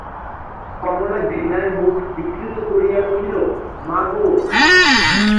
কমলা ঘৃণায় মুখ বিকৃত করিয়া কহিল, মা গো!